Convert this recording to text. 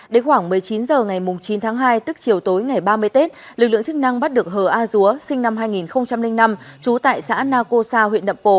đến khoảng một mươi chín h ngày chín tháng hai tức chiều tối ngày ba mươi tết lực lượng chức năng bắt được hờ a dúa sinh năm hai nghìn năm trú tại xã naco sa huyện nậm pồ